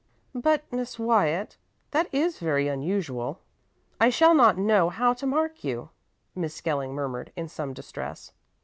"But, Miss Wyatt, this is very unusual. I shall not know how to mark you," Miss Skelling murmured in some distress.